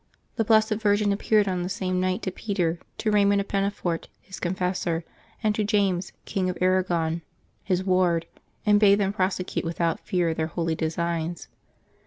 The Blessed Virgin ap peared on the same night to Peter, to Ea3Tnund of Penna fort, his confessor, and to James, King of Arragon, his ward, and bade them prosecute without fear their holy designs.